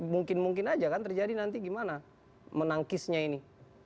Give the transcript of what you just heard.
mungkin mungkin aja kan terjadi nanti gimana menangkisnya ini